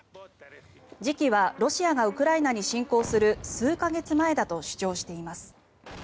時期はロシアがウクライナに侵攻する数か月前だと主張しています。